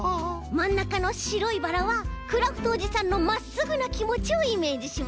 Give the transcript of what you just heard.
まんなかのしろいバラはクラフトおじさんのまっすぐなきもちをイメージしました。